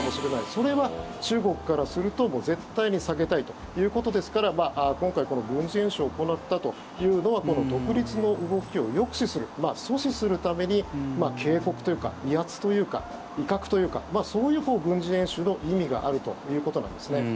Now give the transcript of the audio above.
それは中国からすると、絶対に避けたいということですから今回軍事演習を行ったというのは独立の動きを抑止する阻止するために警告というか威圧というか威嚇というかそういう軍事演習の意味があるということなんですね。